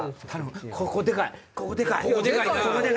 ここでかいな。